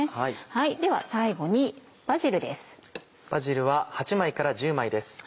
では最後にバジルです。